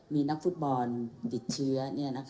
มีนักฟุตบอลติดเชื้อ